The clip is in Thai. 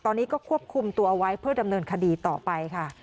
ตอนนี้ก็ควบคุมตัวเอาไว้เพื่อดำเนินคดีต่อไปค่ะ